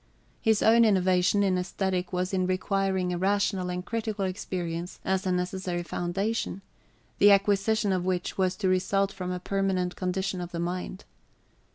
His own innovation in aesthetic was in requiring a rational and critical experience as a necessary {xiv} foundation, the acquisition of which was to result from the permanent condition of the mind.